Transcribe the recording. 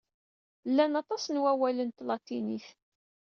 Llan aṭas n wawalen n tlatinit.